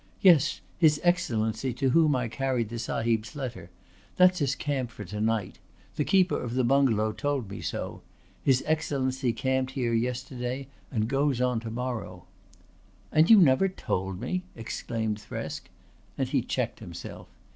"Yes. His Excellency to whom I carried the Sahib's letter. That's his camp for to night. The keeper of the bungalow told me so. His Excellency camped here yesterday and goes on to morrow." "And you never told me!" exclaimed Thresk, and he checked himself.